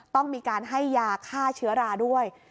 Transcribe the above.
ต้องมีการให้ยาฆ่าเชื้อราด้วย